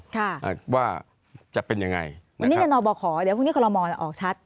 ค่ะว่าจะเป็นยังไงวันนี้จะนอบอขอเดี๋ยวพรุ่งนี้คอรมอออกชัด